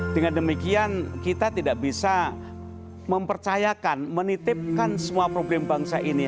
dengan demikian kita tidak bisa mempercayakan menitipkan semua problem bangsa ini